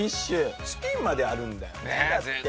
チキンまであるんだよね。